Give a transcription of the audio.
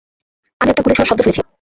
আমি একটা গুলি ছোঁড়ার শব্দ শুনেছি।